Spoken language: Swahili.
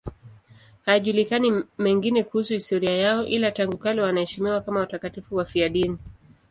Hayajulikani mengine kuhusu historia yao, ila tangu kale wanaheshimiwa kama watakatifu wafiadini.